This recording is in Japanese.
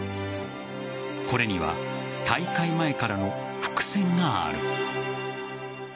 これには大会前からの伏線がある。